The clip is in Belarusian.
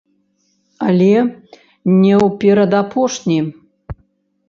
Але не ў перадапошні.